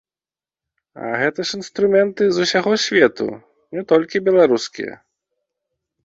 А гэта ж інструменты з усяго свету, не толькі беларускія.